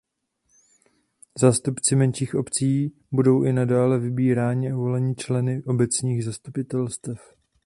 Zástupci menších obcí budou i nadále vybíráni a voleni členy obecních zastupitelstev.